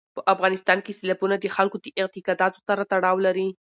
په افغانستان کې سیلابونه د خلکو د اعتقاداتو سره تړاو لري.